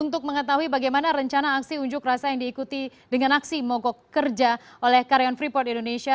untuk mengetahui bagaimana rencana aksi unjuk rasa yang diikuti dengan aksi mogok kerja oleh karyawan freeport indonesia